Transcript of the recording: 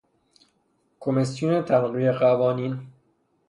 کمیسیون تنقیح قوانین